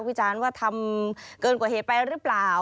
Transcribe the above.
วิจารณ์ว่าทำเกินกว่าเหตุไปแล้วหรือเปล่า